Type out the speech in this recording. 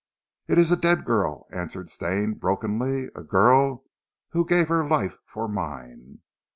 "It is a dead girl," answered Stane, brokenly "a girl who gave her life for mine."